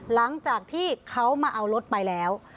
หลังจากที่เขามาเอารถไปแล้ว